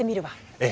ええ。